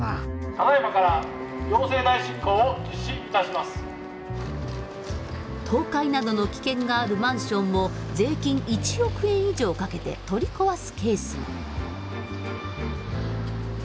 ただいまから倒壊などの危険があるマンションを税金１億円以上かけて取り壊すケースも。